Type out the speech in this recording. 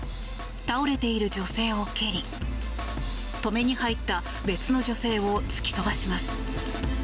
倒れている女性を蹴り止めに入った別の女性を突き飛ばします。